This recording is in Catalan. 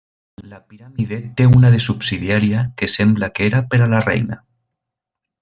La piràmide té una de subsidiària que sembla que era per a la reina.